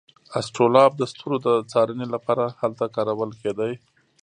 اسټرولاب د ستورو د څارنې لپاره هلته کارول کیده.